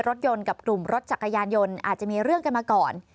รถยนต์กับกลุ่มรถจักรยานยนต์อาจจะมีเรื่องกันมาก่อน